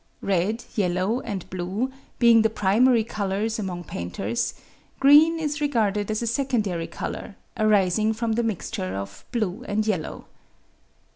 Red, yellow, and blue, being the primary colours among painters, green is regarded as a secondary colour, arising from the mixture of blue and yellow.